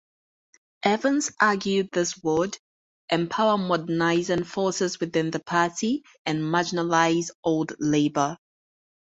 Evans argued this would "empower modernising forces within the party and marginalise Old Labour".